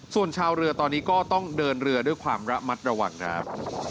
ส่วนชาวเรือตอนนี้ก็ต้องเดินเรือด้วยความระมัดระวังครับ